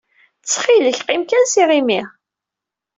Ttxil-k, qqim kan s yiɣimi.